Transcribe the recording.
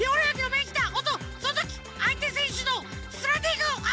おっとそのときあいてせんしゅのスライディング！